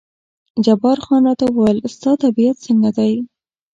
جبار خان راته وویل ستا طبیعت څنګه دی؟